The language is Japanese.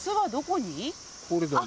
これだよ。